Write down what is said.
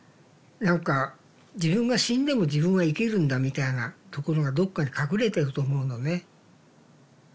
何か自分が死んでも自分は生きるんだみたいなところがどっかに隠れてると思うのね。